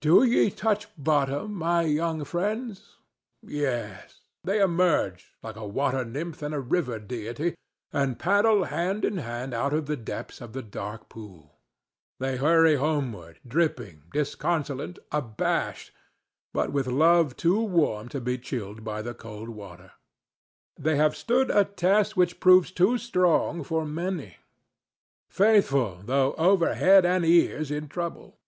Do ye touch bottom, my young friends? Yes; they emerge like a water nymph and a river deity, and paddle hand in hand out of the depths of the dark pool. They hurry homeward, dripping, disconsolate, abashed, but with love too warm to be chilled by the cold water. They have stood a test which proves too strong for many. Faithful though over head and ears in trouble!